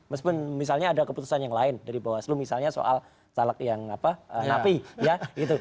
meskipun misalnya ada keputusan yang lain dari bawaslu misalnya soal talak yang napi